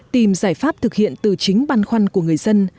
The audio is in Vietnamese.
tìm giải pháp thực hiện từ chính băn khoăn của người dân